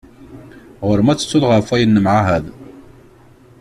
Ɣur-m ad tettuḍ ɣef wayen nemɛahad.